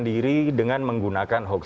diri dengan menggunakan hoax